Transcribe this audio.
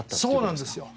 そうなんですよ。